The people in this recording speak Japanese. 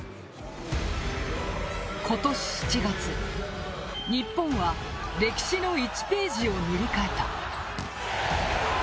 今年７月、日本は歴史の１ページを塗り替えた。